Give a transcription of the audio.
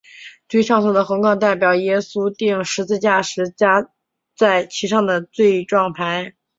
最上头的横杠代表耶稣钉十字架时加在其上的罪状牌。